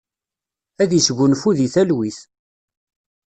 Ad isgunfu di talwit.